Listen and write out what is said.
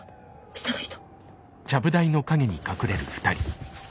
下の人？